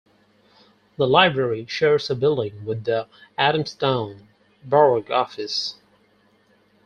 The Library shares a building with the Adamstown Borough office.